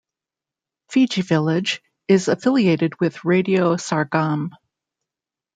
"Fijivillage" is affiliated with Radio Sargam.